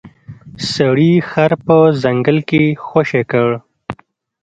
سړي خر په ځنګل کې خوشې کړ.